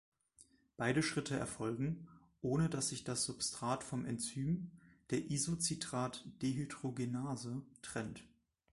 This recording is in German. Beide Schritte erfolgen, ohne dass sich das Substrat vom Enzym, der Isocitrat-Dehydrogenase, trennt.